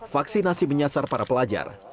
vaksinasi menyasar para pelajar